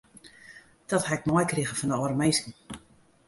Dat ha ik meikrige fan de âlde minsken.